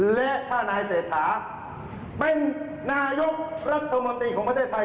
และถ้านายเศรษฐาเป็นนายกรัฐมนตรีของประเทศไทย